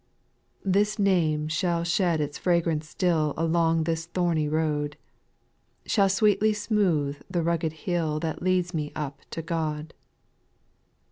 8. This name shall shed its fragrance still Along this thorny road, Shall sweetly smooth the rugged hill That leads me up to God.